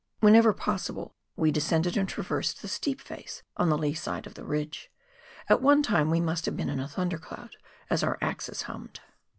Whenever possible we descended and traversed the steep face on the lee side of the ridge. At one time we must have been in a thundercloud, as our axes hummed.